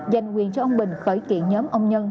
dành quyền cho ông bình khởi kiện nhóm ông nhân